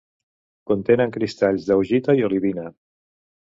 Contenen cristalls d'augita i olivina.